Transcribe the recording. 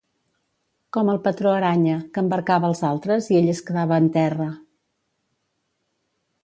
Com el patró Aranya, que embarcava els altres i ell es quedava en terra.